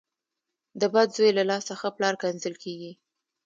د بد زوی له لاسه ښه پلار کنځل کېږي .